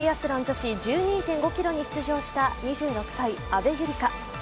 バイアスロン女子１２．５ｋｍに出場した２６歳、阿部友里香。